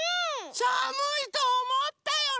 さむいとおもったよね！